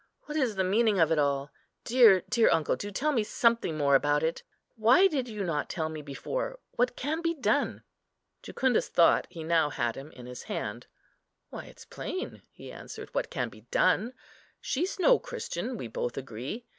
"What is the meaning of it all? dear, dear uncle, do tell me something more about it. Why did you not tell me before? What can be done?" Jucundus thought he now had him in his hand. "Why, it's plain," he answered, "what can be done. She's no Christian, we both agree.